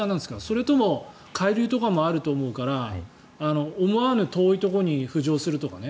それとも海流とかもあると思うから思わぬ遠いところに浮上するとかね。